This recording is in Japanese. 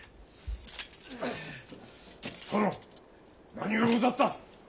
殿何がござった？